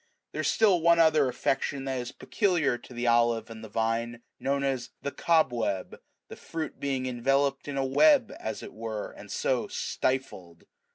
There is still one other affection that is peculiar to the olive and the vine, known as the " cobweb,"3 the fruit being en veloped in a web, as it were, and so stifled.